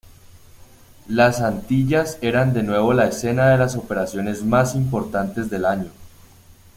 Las Antillas eran de nuevo la escena de las operaciones más importantes del año.